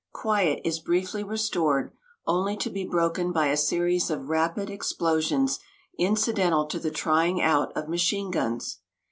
Quiet is briefly restored, only to be broken by a series of rapid explosions incidental to the trying out of machine guns.